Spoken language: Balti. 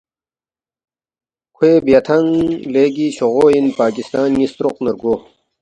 کھوئے بیاتھنگ لیگی چھوغو اِن پاکستان نی ستروقنہ رگو